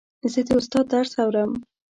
زه د استاد درس اورم.